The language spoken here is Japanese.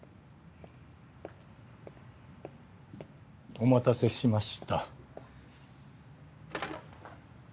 お待たせしました。